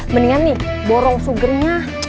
mendingan nih borong sugernya